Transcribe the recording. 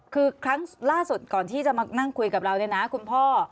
คือครั้งล่าสุดก่อนที่จะมานั่งคุยกับเราเนี่ยนะคุณพ่อ